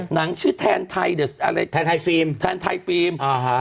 หนังชื่อแทนไทยเดี๋ยวอะไรแทนไทยฟิล์มแทนไทยฟิล์มอ่าฮะ